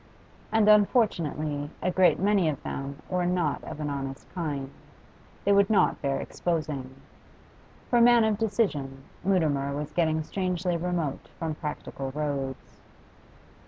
And unfortunately a great many of them were not of an honest kind; they would not bear exposing. For a man of decision, Mutimer was getting strangely remote from practical roads.